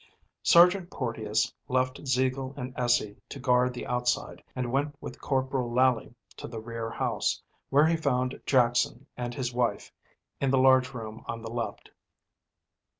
Sergeant Porteus left Ziegel and Essey to guard the outside and went with Corporal Lally to the rear house, where he found Jackson and his wife in the large room on the left.